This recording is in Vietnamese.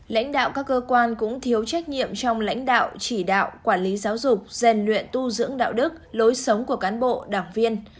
lãnh đạo các cơ quan cũng thiếu trách nhiệm trong lãnh đạo chỉ đạo quản lý giáo dục rèn luyện tu dưỡng đạo đức lối sống của cán bộ đảng viên